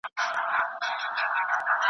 څه خو راته وايي ګړوي چي نیمه ژبه .